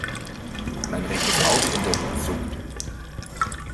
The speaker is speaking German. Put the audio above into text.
Mein rechtes Augenunterlid zuckt.